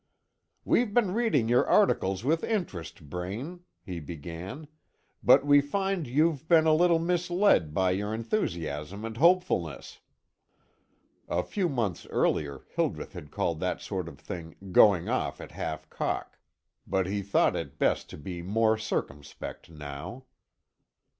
"We've been reading your articles with interest, Braine," he began, "but we find you've been a little misled by your enthusiasm and hopefulness." A few months earlier, Hildreth had called that sort of thing "going off at half cock," but he thought it best to be more circumspect now.